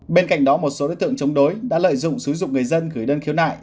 bên cạnh đó một số đối tượng chống đối đã lợi dụng xúi dục người dân gửi đơn khiếu nại